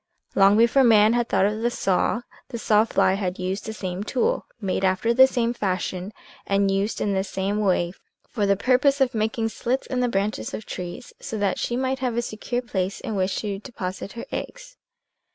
Long before man had thought of the saw, the saw fly had used the same tool, made after the same fashion, and used in the same way for the purpose of making slits in the branches of trees so that she might have a secure place in which to deposit her eggs.